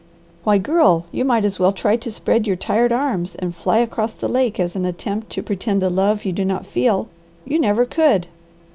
Why Girl, you might as well try to spread your tired arms and fly across the lake as to attempt to pretend a love you do not feel. You never could!"